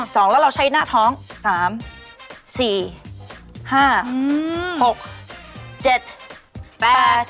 สิบ